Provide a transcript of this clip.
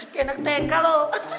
kayak enak teka lo